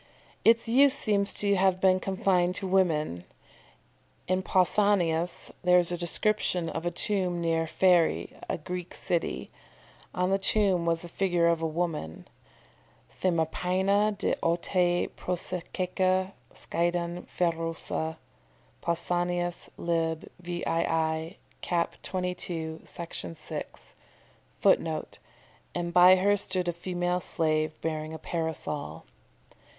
"] Its use seems to have been confined to women. In Pausanias there is a description of a tomb near Pharæ, a Greek city. On the tomb was the figure of a woman "themapaina de autae prosestaeke skiadeion pherousa." Pausanias, lib. vii., cap. 22, Section 6. [Footnote: "And by her stood a female slave, bearing a parasol."